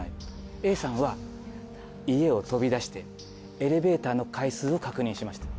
Ａさんは家を飛び出してエレベーターの階数を確認しました。